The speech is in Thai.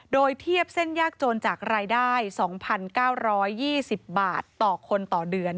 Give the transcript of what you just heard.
โดยเทียบเส้นยากจนจากรายได้๒๙๒๐บาทต่อคนต่อเดือน